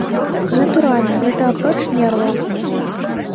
Натуральна, гэта апроч нерваў.